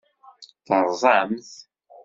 Terẓam-t?